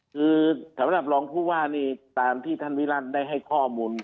คือสำหรับรองผู้ว่านี่ตามที่ท่านวิรัติได้ให้ข้อมูล